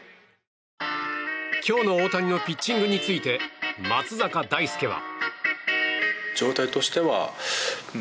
今日の大谷のピッチングについて松坂大輔は。